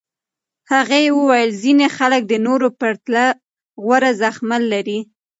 هغې وویل ځینې خلک د نورو پرتله غوره زغمل لري.